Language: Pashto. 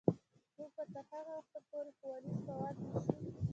موږ به تر هغه وخته پورې ښوونیز مواد ویشو.